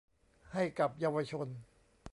ให้กับเยาวชน